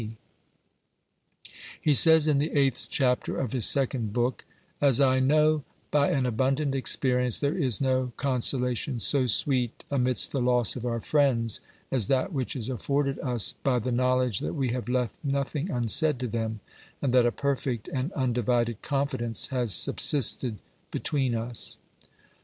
124 OBERMANN He says in the eighth chapter of his second book :" As I know, by an abundant experience, there is no consola tion so sweet amidst the loss of our friends as that which is afforded us by the knowledge that we have left nothing unsaid to them, and that a perfect and undivided confidence has subsisted between us."